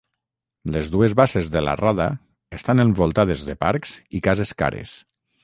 Les dues basses de la rada estan envoltades de parcs i cases cares.